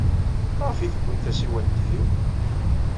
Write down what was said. Maɣef ay tewwim tasiwant-inu?